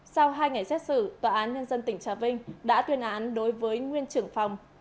sau hai ngày xét xử tòa án nhân dân tỉnh trà vinh đã tuyên án đối với nguyên trưởng phòng